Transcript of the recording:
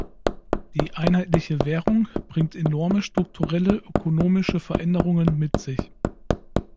Die einheitliche Währung bringt enorme strukturelle ökonomische Veränderungen mit sich.